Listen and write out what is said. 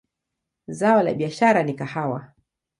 Zao la biashara ni kahawa.